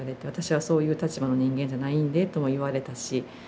「私はそういう立場の人間じゃなんで」とも言われたし。